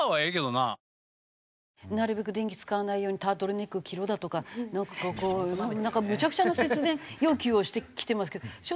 なるべく電気使わないようにタートルネックを着ろだとかなんかむちゃくちゃな節電要求をしてきてますけど。